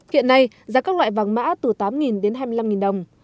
hiện nay giá các loại vàng mã từ tám đến hai mươi năm đồng